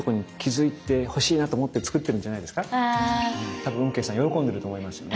多分運慶さん喜んでると思いますよね。